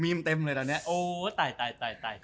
มีมเต็มเลยตอนนี้